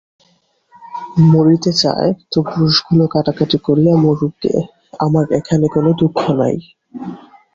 মরিতে চায় তো পুরুষগুলো কাটাকাটি করিয়া মরুক গে, আমার এখানে কোনো দুঃখ নাই।